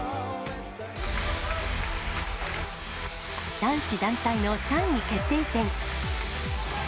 男子団体の３位決定戦。